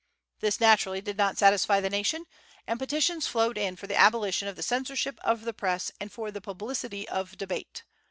This naturally did not satisfy the nation, and petitions flowed in for the abolition of the censorship of the Press and for the publicity of debate.